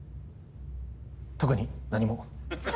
特に何も。